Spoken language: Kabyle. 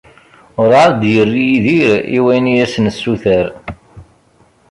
Urεad d-yerri Yidir i wayen i as-nessuter.